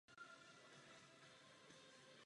Tvůrci teorie živlů byli v Evropě staří Řekové.